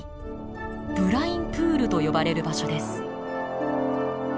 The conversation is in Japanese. ブラインプールと呼ばれる場所です。